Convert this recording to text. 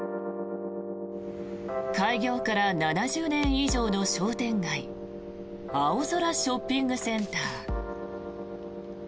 開業から７０年以上の商店街青空ショッピングセンター。